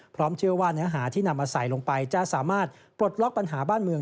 เชื่อว่าเนื้อหาที่นำมาใส่ลงไปจะสามารถปลดล็อกปัญหาบ้านเมือง